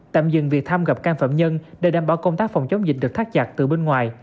tạm dừng việc tham gặp can phạm nhân để đảm bảo công tác phòng chống dịch được thác chặt từ bên ngoài